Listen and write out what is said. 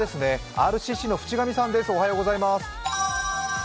ＲＣＣの渕上さんです。